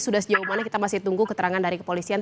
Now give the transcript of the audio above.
sudah sejauh mana kita masih tunggu keterangan dari kepolisian